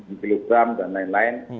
seratus miligram dan lain lain